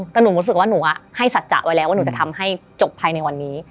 แต่หนูรู้สึกว่าหนูให้สัจจะไว้แล้วว่าหนูจะทำให้จบภายในวันนี้